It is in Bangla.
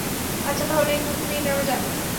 আচ্ছা তাহলে, একটু ঘুমিয়ে নেওয়া যাক।